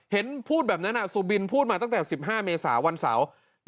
เห็นพูดแบบนั้นสุบินพูดมาตั้งแต่๑๕เมษาวันเสาร์